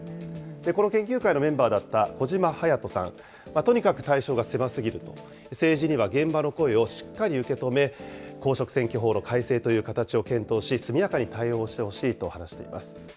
この研究会のメンバーだった小島勇人さん、とにかく対象が狭すぎると、政治には現場の声をしっかり受け止め、公職選挙法の改正という形を検討し、速やかに対応してほしいと話しています。